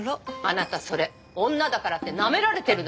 あなたそれ女だからってなめられてるのよ。